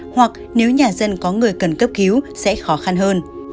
hoặc nếu nhà dân có người cần cấp cứu sẽ khó khăn hơn